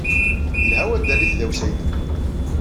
Yelha waddal i tdawsa-nnem.